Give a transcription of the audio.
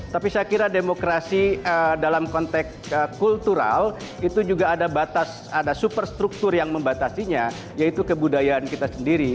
tapi saya kira demokrasi dalam konteks kultural itu juga ada batas ada superstruktur yang membatasinya yaitu kebudayaan kita sendiri